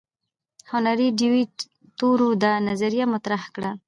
هنري ډیویډ تورو دا نظریه مطرح کړه.